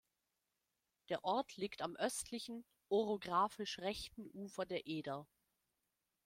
Der Ort liegt am östlichen, orografisch rechten Ufer der Eder.